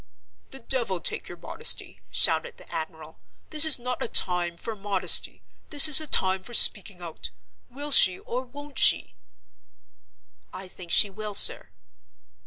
"The devil take your modesty!" shouted the admiral. "This is not a time for modesty; this is a time for speaking out. Will she or won't she?" "I think she will, sir."